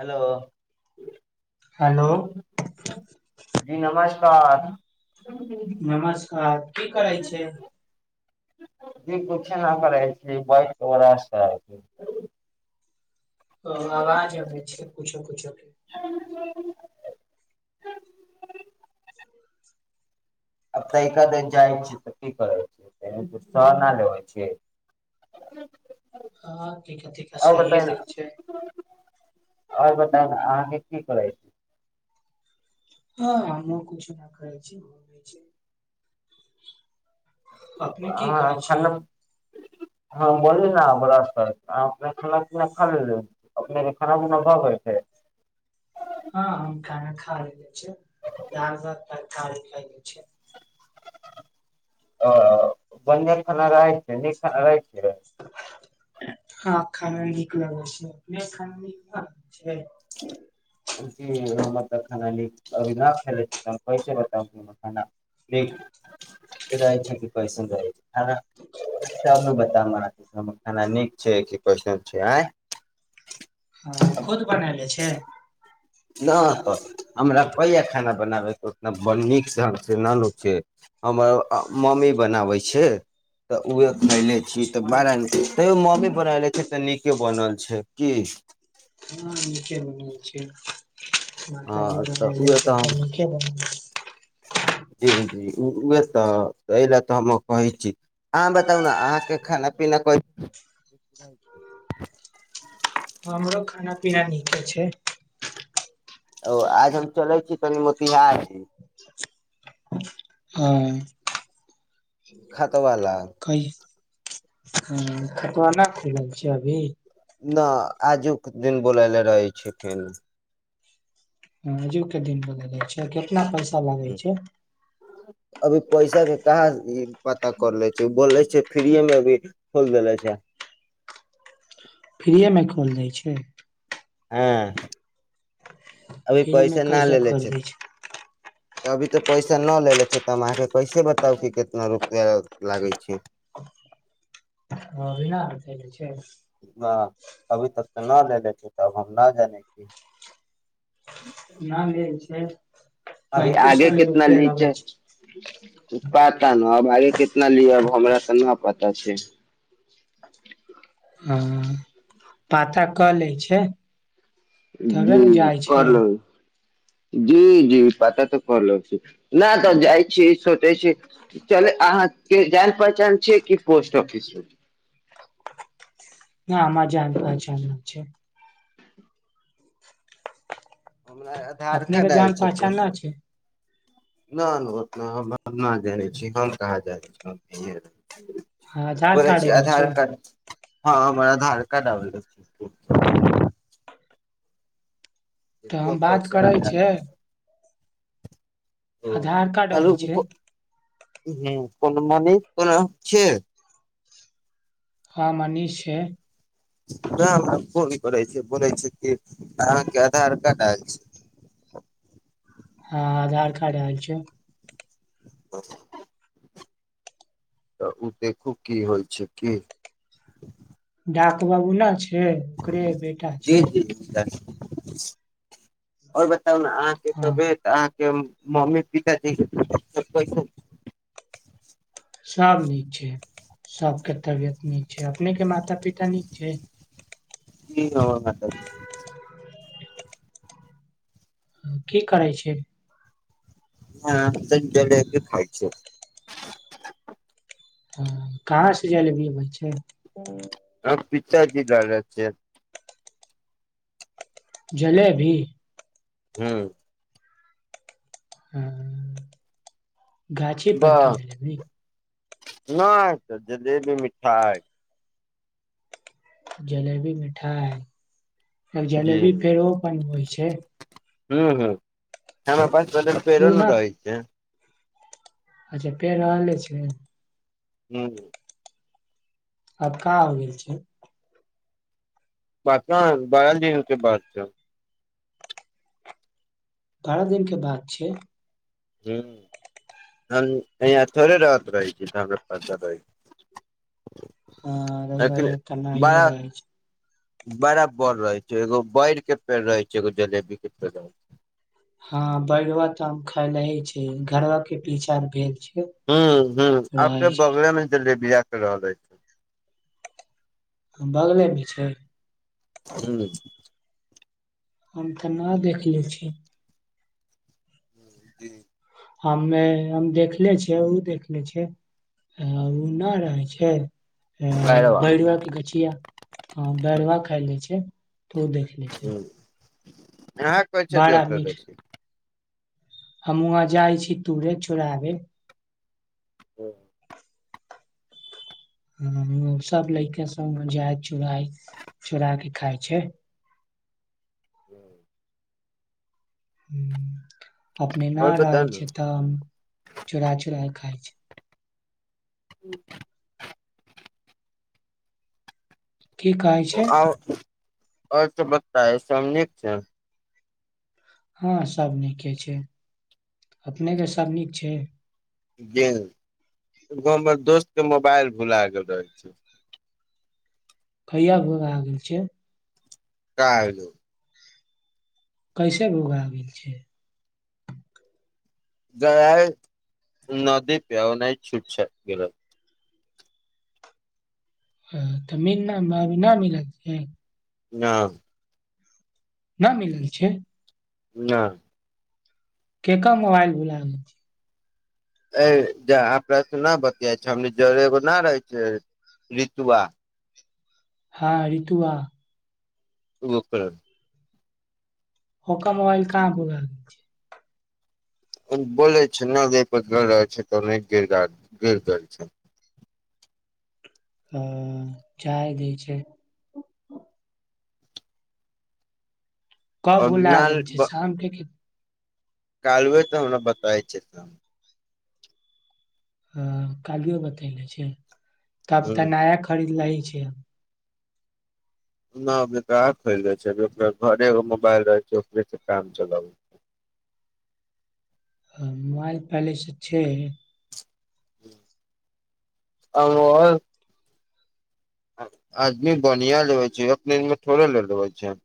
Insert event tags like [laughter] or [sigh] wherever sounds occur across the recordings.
Hello hello अवाज कार नमस्कार की करय छियै जी किछु नहि करै छी बइके ब ओ आवाज अबै छै कुछो कुछो आ तऽ तैकादेर जाइ छै तऽ की करै छै त सह न लेबै छै [inaudible] हँ तैका तैका सहिये दै छै तब अहाँके की करै छी हँ हमहुं किछु न करै छी अपने की हँ करै छी खाना हँ बोल ना ब्रस करै छी अपने के खाना पीना खा लेली अपने के खाना पीना भ गेल छै [inaudible] हँ हम खाना खा लेले छियै दाल भात तरकारी खैले छियै आ बन्ने खाना रहै छै नीक खाना रहै छै हँ खाना नीक लागै छै अपने के खाना नीक न लगै छै जी हमर त खाना नीक अभी न खैले छियै त कैसे बताउ खाना नीक रहै छै कि कैसन रहै छै खाना तब नु बतायम अहांके हमर खाना नीक छै कि कैसन छै आय हँ खुद बनैले छियै नहि तऽ हमरा कहिया खाना बनाबै उतना नीक से हम से न नु छे हमर मम्मी बनाबे छै तऽ उहे खैले छी अच्छा त बड़ा मम्मी नी तैयो मम्मी बनैले छै तऽ नीके बनल छै की हँ नीके बनल छै माता जी हँ तऽ बनैले उहे छै हम तऽ नीके बनल छै जी जी उहे तऽ एहि ल तऽ हम कहै छी अहाँ बताउ न अहाँके खाना पीना कै हमरो खाना पीना नीके छै ओ आज हम चलै छी तनि मोतिहारी ह खात्वा ला ह खत्वा नहि खैले छियै अभी नहि आजुक दिन बोलयले रहै छथिन आजु के दिन बोलैले छै केतना पैसा लागै छै अभी पैसा के कहाँ इ पता करले छै बोले छै फ्रीए मे अभी खोल देेले छै [inaudible] फ्रीएमे खोल दै छै हँ अभी फ्री मे पैसा ना कैसे लेलेे खोल छै दै अभी तऽ पैसा ना लेले छै तऽ हम अहाँके कैसे बताउ कि कितना रुपैया लागै छै [inaudible] हं अभी ना बतैले छै न अभी तक तऽ न लेले छी तब हम न जानै छी न लेल छै अभी पैंतीस आगे सौ कितना रुपआ लगै नीचे छै पता न अब आगे कितना कितना लियब हमरा तऽना पता छै ह पाता क लैछै जी करलेबै जी जी पता तऽ करलै छी न तऽ जाइ छी सोचे छी चले अहाँ के जान पहचान छै कि पोस्ट ऑफिस मे न हमरा जान पहचान न छै हमरा आधार अपने के कार्ड आयल जान छै पहचान पोस्ट ना छै ऑफिस नहि नहि उतना हम हम न जानै छी हम कहाँ जाने छी आधार बोला कार्ड छी अबै छै आधार कार्ड हाँ हमरा आधार कार्ड आबेल तऽ हम बात कैसन करै आधार छै कार्ड ओ आधार कार्ड कहलू अबै छै ह्म कोनो मनी कोन [unintelligible] छै हाँ मनीष छै व हमरा फोन करै छै बोलै छै कि अहाँके आधार कार्ड आयल छै [inaudible] हाँ आधार कार्ड आयल छै ब तऽ ओ देखू की होइ छै की डाक बाबू ने छै ओकरे बेटा छै ओर बताउ ने आहाॅं के हँ तबियत मम्मी पिताजी कैसन छै सब नीक छै सबके तबियत नीक छै अपने के माता पिता नीक छै की हो [unintelligible] की करै छै हँ तऽडे खा छै [unintelligible] कहाँ से जालेबी अबै छै पिताजी लर छै [unintelligible] जलेबी ह्म हाँ गाछ परखि बस नहि नहि तऽ जलेबी मिठाई जलेबी मिठाई जी जलेबी फेर ओ बनबै छै हूम हूम [unintelligible] हमरा पच उ पजारुपेरन न रहै छै अच्छा पेड़ रहले छै हूम आब कहाँ हो गेल छै बात बारल दिन के बाद छै [unintelligible] बारह दिन के बाद छै ह्म हम याँ थोड़े रहत रहै छी तऽ हमरा पता रहै [unintelligible] हाँ छै। रउआ लेकिन इहाँ त नहिय बड़ा रहै छी बड़ा बड़ रहै छै एगो बैर के पेड़ रहै छै एगो जलेबी के पेड़ रहै छै हाँ बैरबा तऽ आम खायने ही छी घरबि के पीछा भेल छै ह्म ह्म आबके रहे छै बगलेमे जलेबीया के रहल अछि बगलेमे छै ह्म हम तऽ ना देख ले छी ह जी हममे हम देखले छियै ओ देखले छियै आ ओ नहि रहै छै पैरवा भरुआ के गछिया हाँ बरवा खा लै छै तऽ ओ देख लै छै हाँ कसै छै बड़ा मीठ देखलेले छी हम वहाँ जाइ छी तूरे चोड़ाबे ओ ह सब लैके सब जा चुराइ चोरा के खैय छै [inaudible] ह्म [inaudible] अपने न आओर बता रहै ने छै तऽ चुरा चुरा खाय छै ह्म [inaudible] की कहै छै अर्चमकता ए समझिक छै [inaudible] हँ सब नीके छै अपनेके सब नीक छै गे एगो हमर दोस्तके मोबाइल भुला गेल रहै छै कहिया भुला गेल छै कैल कैसे भोला आ गेल छै गय नदी पिहना छूट छैट गेल ह त मीन न मिल छै [inaudible] न न मिलिल छै ना केकर मोबाइल भुला ऐ अपने ज न बतिया छै हमनि जरे एगो ना रहै छै रऋतुआ हँ ऋतुआ ओकर ओका मोबाइल कहाँ भोगा द छै बोल छै न देपद गर रह छै त नहि गर गिर गर छै [inaudible] ह जाय द छै कब भुला नाल गेल छै शामके कालबे तऽ हमरा बताबै छै त ह कालियो बतेले छै तब तऽ नया खरीद ल छै न अभी ता खरि दै छै अभी ओ घरे एगो मोबाइल रहै छै ओकरे से काम चलाबैत छै [inaudible] मोबाइल पैलेस छै आ [inaudible] आदमी बढ़आ लेबे छै अपने थोड़े ल लेबै छै [inaudible]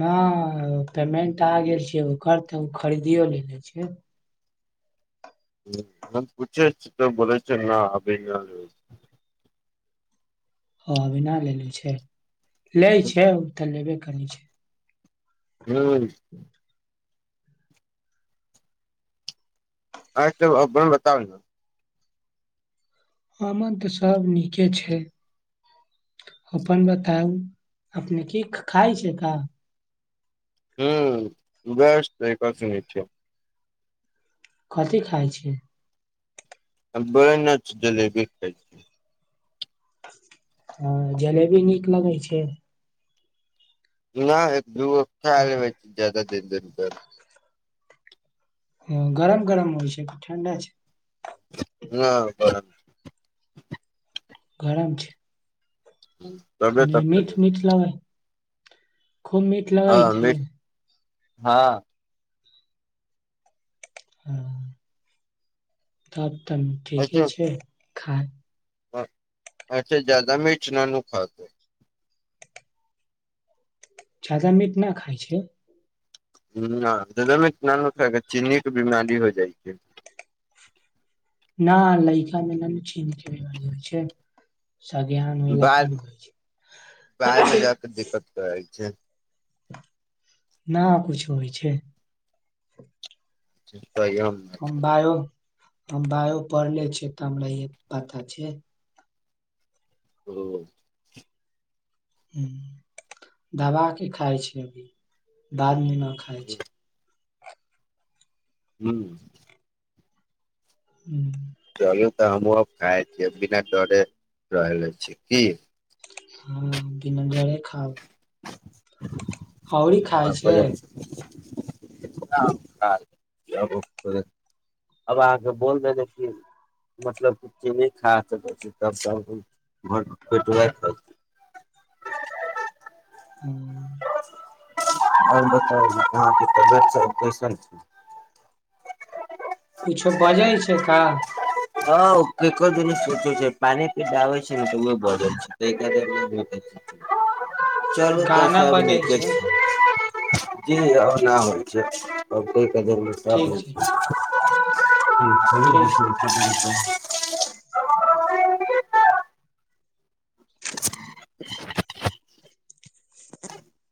नहि पेमेंट आ गेल छैियै ओकर तऽ ओ खरीदियो ले ले छियै ह पुछ छी तऽ बोले छै ना अभी ना लेबे छै ह बिना लेलेे छै ले छै ओ तऽ लेबे कर छै हँ आ चलु अपन बताउ न अमन त सब नीके छै अपन बताउ अपने की खाय छै का हुं ब [inaudible] स त ई कथ नहि छै कथी खाइ छि ब न जलैबै खाइ छै [unintelligible] हँ जलेबी नीक लगै छै ना एक दू गो खा अ, लेवै छी ज्याद देन देन प ह गरम गरम होइ छै कि ठण्डा छै हँ गरम गरम छै तबे तऽ तक मिठ खैले छी मिठ लगै खूब मीठ लगई हँ थै मीठ हँ हँ तब तन ठीके छै खा हँ अच्छा ज्यादा मिर्च न नु खातो जादा मीट न खाइ छै ना ज्यादा न नॉनवेज खा के चीनी के बीमारी हो जाए छै न लैकामे न न चीनी के बीमारी होइ छै संज्ञान होयला बाद पन में बाद होइ मे छै जाके दिक्कत करै छै न कुछो होइ छै हम बायो [unintelligible] हम बायो पड़ले छै तम हमरा ये पता छै ओ हम्म दबा के खाइ छै बादमे न खाइ छै हम्म हम्म चलू तऽ हमहुँ आब खाइ छियै बिना डरे रहले छी की हँ बिना डरे खाओ [inaudible] हौरी अब खाय आपको छै जब [unintelligible] अब अहाँके बोल देबे कि मतलब की चीज नहि खा सकै छै तब सभ भर पेट वैह खाइ छै हम्म आओर बताउ अहाँके तबियत सब कैसन छै कुछो बजै छै का हँ ओ केकर दुनु कुकुर छै पानी पियाबै छै न तऽ ओ बजय छै चलू तऽ गाना सभ बजै नीके छै जी ओहिना होइ छै [unintelligible] सभ ठीक होइ छै छै ठीक [unintelligible] [inaudible] [inaudible]